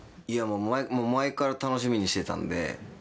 もう前から楽しみにしてたんで。